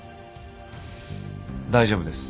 大丈夫です。